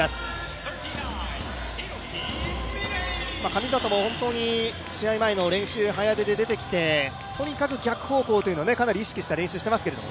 神里も試合前の練習、早出で出てきて、とにかく逆方向というのをかなり意識した練習をしていましたけど。